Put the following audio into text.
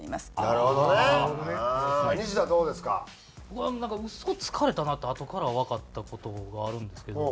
僕はなんかウソつかれたなってあとからわかった事があるんですけど。